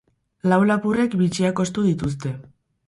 Lau lapurrek bitxiak ostu dituzte.